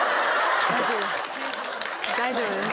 大丈夫です。